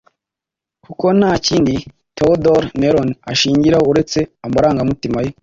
kuko nta kindi Theodor Meron ashingiraho uretse amarangamutima ye